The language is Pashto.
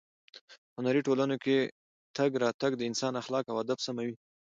په هنري ټولنو کې تګ راتګ د انسان اخلاق او ادب سموي.